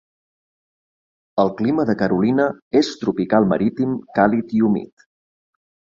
El clima de Carolina és tropical marítim càlid i humit.